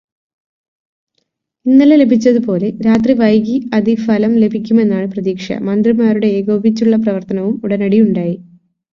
ഇന്നലെ ലഭിച്ചതുപോലെ രാത്രി വൈകി അതി ഫലം ലഭിക്കുമെന്നാണ് പ്രതീക്ഷ.മന്ത്രിമാരുടെ ഏകോപിച്ചുള്ള പ്രവര്ത്തനവും ഉടനടിയുണ്ടായി.